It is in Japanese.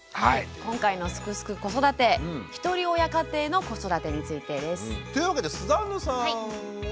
今回の「すくすく子育て」「ひとり親家庭の子育て」についてです。というわけでスザンヌさんは。